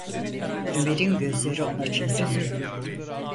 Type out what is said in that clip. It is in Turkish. Ömer’in gözleri ona çevrildi.